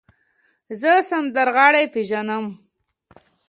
زه سندرغاړی پیژنم.